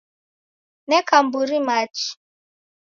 Neka mburi machi